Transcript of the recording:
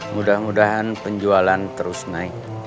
mudah mudahan penjualan terus naik